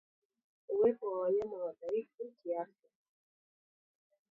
Uwepo wa wanyama wadhaifu kiafya